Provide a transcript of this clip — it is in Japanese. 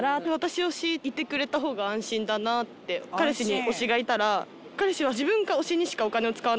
彼氏に推しがいたら。